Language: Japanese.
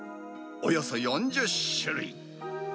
およそ４０種類。